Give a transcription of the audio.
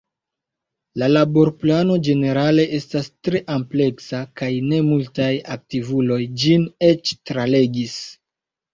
La laborplano ĝenerale estas tre ampleksa, kaj ne multaj aktivuloj ĝin eĉ tralegis.